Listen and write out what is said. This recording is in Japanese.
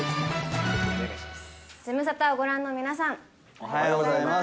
ズムサタをご覧の皆さん、おはようございます。